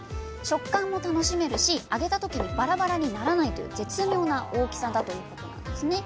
食感も楽しめるし揚げた時にバラバラにならないという絶妙な大きさだということなんですね。